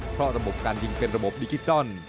เพราะระบบการยิงเป็นระบบดิจิตอล